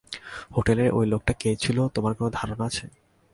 হোটেলের ঐ লোকটা কে ছিল তোমার কোনো ধারণা আছে?